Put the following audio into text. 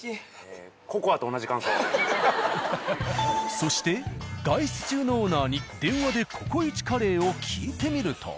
そして外出中のオーナーに電話でここイチカレーを聞いてみると。